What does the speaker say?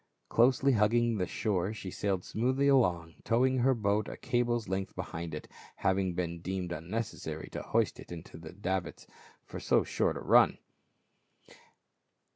Closely hug ging the shore she sailed smoothly along, towing her boat a cable's length behind, it having been deemed unnecessary to hoist it into the davits for so short a run.